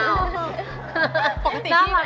น่ารักมาก